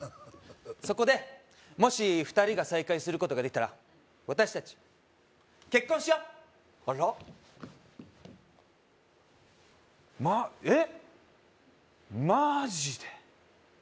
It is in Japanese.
そこでもし２人が再会することができたら私達結婚しようあらまえっマジで？